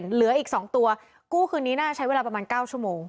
เหลืออีก๒ตัวกู้คืนนี้น่าใช้เวลาประมาณ๙ชั่วโมง